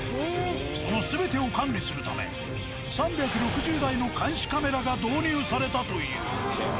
その全てを管理するため３６０台の監視カメラが導入されたという。